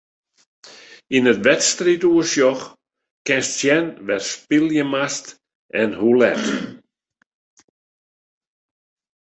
Yn it wedstriidoersjoch kinst sjen wêr'tst spylje moatst en hoe let.